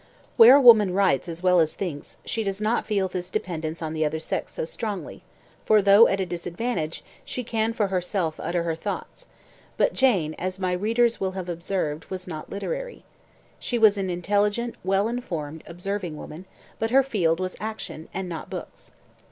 Where a woman writes as well as thinks, she does not feel this dependence on the other sex so strongly; for, though at a disadvantage, she can for herself utter her thoughts but Jane, as my readers will have observed, was not literary. She was an intelligent, well informed, observing woman, but her field was action, and not books.